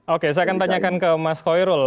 oke saya akan tanyakan ke mas khoirul